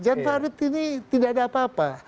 jan farid ini tidak ada apa apa